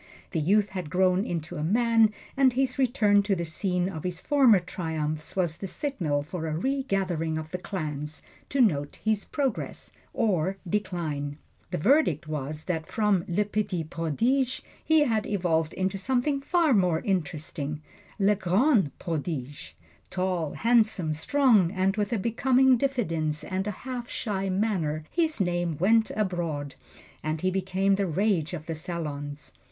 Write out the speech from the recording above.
The youth had grown into a man, and his return to the scene of his former triumphs was the signal for a regathering of the clans to note his progress or decline. The verdict was that from "Le Petit Prodige," he had evolved into something far more interesting "Le Grand Prodige." Tall, handsome, strong, and with a becoming diffidence and a half shy manner, his name went abroad, and he became the rage of the salons.